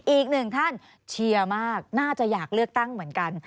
อีกหนึ่งท่านเชียร์มากน่าจะอยากเลือกตั้งเหมือนกัน